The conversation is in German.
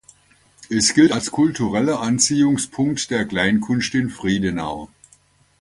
Es gilt als kultureller Anziehungspunkt der Kleinkunst in Friedenau.